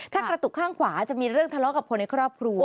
ถ้ากระตุกข้างขวาจะมีเรื่องทะเลาะกับคนในครอบครัว